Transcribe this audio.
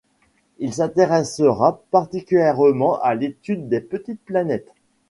Il s'intéressa particulièrement à l'étude des petites planètes.